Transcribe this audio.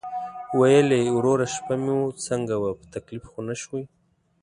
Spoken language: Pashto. ویل یې: "وروره شپه مو څنګه وه، په تکلیف خو نه شوئ؟"